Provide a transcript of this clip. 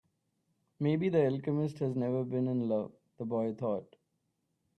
Maybe the alchemist has never been in love, the boy thought.